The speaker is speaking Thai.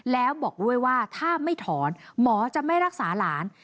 แล้วบอกด้วยว่าถ้าไม่ถอนหมอจะไม่รักษาหลาน